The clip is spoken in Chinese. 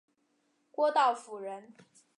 郭道甫人。